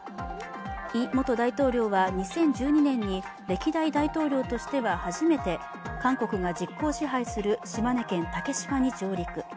イ元大統領は２０１２年に歴代大統領としては初めて韓国が実効支配する島根県竹島に上陸。